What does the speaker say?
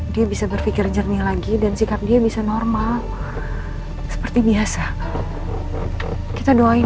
dia bisa berpikir jernih lagi dan sikap dia bisa normal seperti biasa kita doain